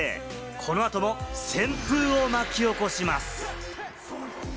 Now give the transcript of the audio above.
この後も旋風を巻き起こします。